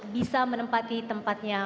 bisa menempati tempatnya